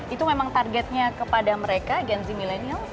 itu memang targetnya kepada mereka gen z milenial